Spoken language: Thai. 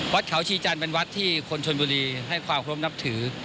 วัดเขาชีจันทร์เป็นวัดที่คนชนบุรีให้ความครบนับถือ